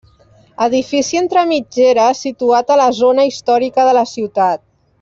Edifici entre mitgeres situat a la zona històrica de la ciutat.